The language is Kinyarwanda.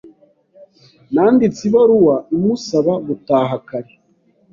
Nanditse ibaruwa imusaba gutaha kare.